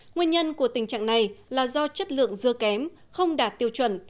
nguyên nhân của tình trạng này là do chất lượng dưa kém không đạt tiêu chuẩn